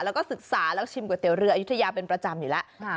แล้วก็ศึกษาแล้วชิมก๋วเรืออายุทยาเป็นประจำอยู่แล้ว